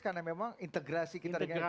karena memang integrasi kita dengan ekonomi dunia